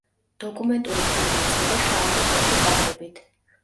დოკუმენტური ფილმი იწყება შავი და თეთრი კადრებით.